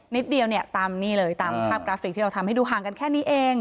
เดียวเนี่ยตามนี่เลยตามภาพกราฟิกที่เราทำให้ดูห่างกันแค่นี้เอง